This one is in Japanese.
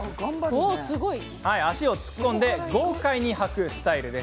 足を突っ込み豪快にはくスタイル。